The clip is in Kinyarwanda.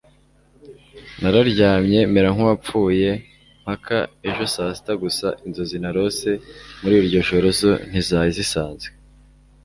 nararyamye mera nkuwapfuye mpaka ejo saa sita gusa inzozi narose muriryo joro zo ntizari zisanzwe